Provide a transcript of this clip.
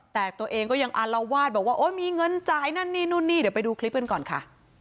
แต่ตัวเองก็ยังอารวาสบอกว่าโอ๊ยมีเงินจ่ายนั่นนี่นู่นนี่เดี๋ยวไปดูคลิปกันก่อนค่ะ